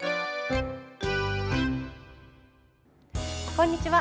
こんにちは。